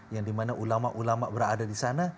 yang di mana ulama ulama berada di sana